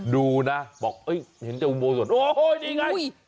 ดูนะบอกเห็นแต่อุโมส่วนโอ้โหนี่ไง